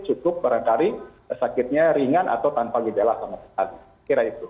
cukup barangkali sakitnya ringan atau tanpa gejala sama sekali